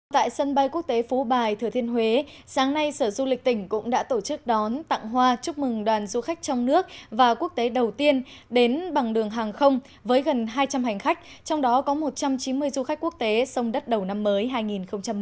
tại sân bay quốc tế phú bài thừa thiên huế sáng nay sở du lịch tỉnh cũng đã tổ chức đón tặng hoa chúc mừng đoàn du khách trong nước và quốc tế đầu tiên đến bằng đường hàng không với gần hai trăm linh hành khách trong đó có một trăm chín mươi du khách quốc tế sông đất đầu năm mới hai nghìn một mươi chín